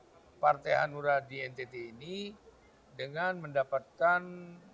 karena partai hanura di ntt ini dengan mendapatkan